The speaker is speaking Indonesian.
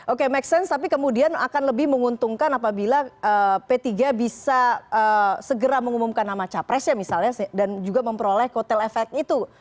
oke make sense tapi kemudian akan lebih menguntungkan apabila p tiga bisa segera mengumumkan nama capresnya misalnya dan juga memperoleh kotel efek itu